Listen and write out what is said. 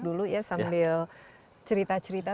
dulu ya sambil cerita cerita